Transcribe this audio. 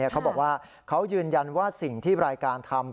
เขาบอกว่าเขายืนยันว่าสิ่งที่รายการทำ